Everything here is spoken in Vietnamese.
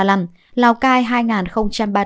lào cai hai ba mươi bốn